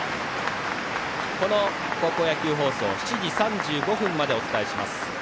この高校野球放送７時３５分までお伝えします。